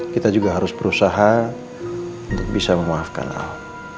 kita juga harus berusaha untuk bisa memaafkan ahok